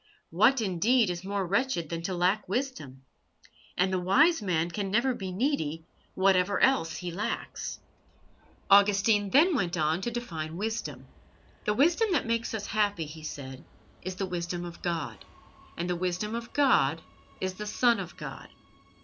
What, indeed, is more wretched than to lack wisdom? And the wise man can never be needy, whatever else he lacks." Augustine then went on to define wisdom. "The wisdom that makes us happy," he said, "is the wisdom of God, and the wisdom of God is the Son of God.